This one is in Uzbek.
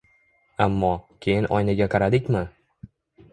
Ammo, keyin oynaga qaradikmi?